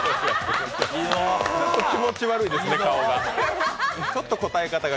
ちょっと気持ち悪いですね、顔が。